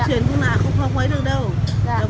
chứ không gia truyền cũng là không khó quấy được đâu